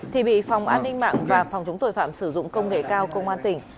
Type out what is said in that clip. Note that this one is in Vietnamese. thì bị phòng an ninh mạng và phòng chống tội phạm sử dụng công nghệ cao công an tỉnh